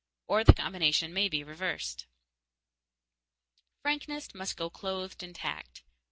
Or the combination may be reversed. Frankness must go clothed in tact.